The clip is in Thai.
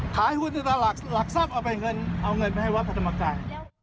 ขายหุ้นหลักทรัพย์เอาเงินไปให้วัดพระธรรมกาย